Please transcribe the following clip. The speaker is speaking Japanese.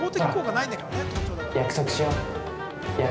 ほら、約束しよう。